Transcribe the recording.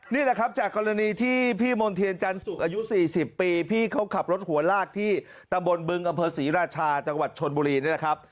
นี่แหละครับจากกรณีที่พี่มณ์เทียนจันสุกอายุ๔๐ปีพี่เขาขับรถหัวลากที่ตำบลบึงอำเภอศรีราชาจังหวัดชนบุรีนี่แหละครับ